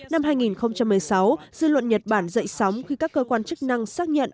năm hai nghìn một mươi sáu dư luận nhật bản dậy sóng khi các cơ quan chức năng xác nhận